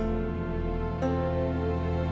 malin jangan lupa